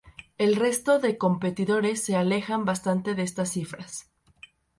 El resto de competidores se alejan bastante de estas cifras.